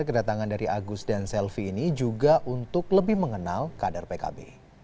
kedatangan dari agus dan selvi ini juga untuk lebih mengenal kader pkb